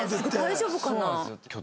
大丈夫かな？